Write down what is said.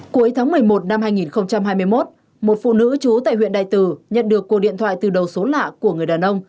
cuối tháng một mươi một năm hai nghìn hai mươi một một phụ nữ trú tại huyện đại từ nhận được cuộc điện thoại từ đầu số lạ của người đàn ông